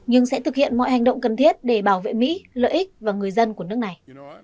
hành động cần thiết để bảo vệ mỹ lợi ích và người dân của nước này